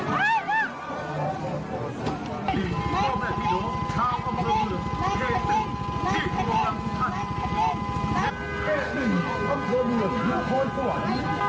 อ้าวอ้าวอ้าว